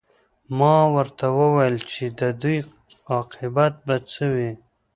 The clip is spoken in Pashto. ما ورته وویل چې د دوی عاقبت به څه وي